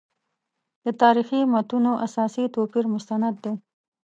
د تاریخي متونو اساسي توپیر مستند دی.